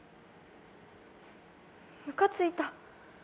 ムカついた。